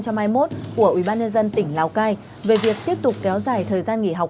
của ủy ban nhân dân tỉnh lào cai về việc tiếp tục kéo dài thời gian nghỉ học